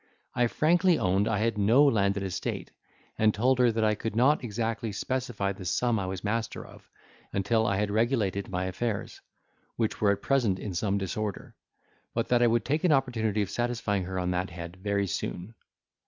I frankly owned I had no landed estate; and told her that I could not exactly specify the sum I was master of, until I had regulated my affairs, which were at present in some disorder; but that I would take an opportunity of satisfying her on that head very soon.